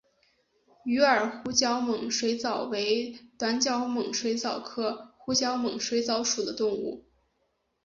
鱼饵湖角猛水蚤为短角猛水蚤科湖角猛水蚤属的动物。